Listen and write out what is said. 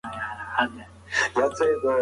پروفیسور تاناکا وړاندیز کوي په اوبو کې فعال اوسئ.